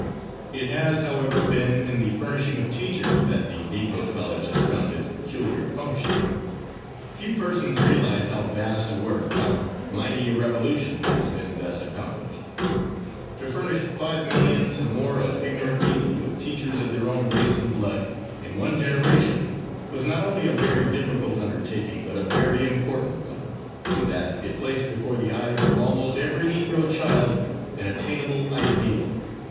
It has, however, been in the furnishing of teachers that the Negro college has found its peculiar function. Few persons realize how vast a work, how mighty a revolution has been thus accomplished. To furnish five millions and more of ignorant people with teachers of their own race and blood, in one generation, was not only a very difficult undertaking, but a very important one, in that, it placed before the eyes of almost every Negro child an attainable ideal.